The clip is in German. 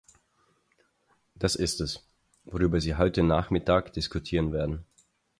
Das ist es, worüber Sie heute Nachmittag diskutieren werden.